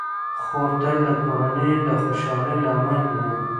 خور تل د کورنۍ د خوشحالۍ لامل وي.